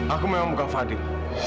aku memang bukan fadil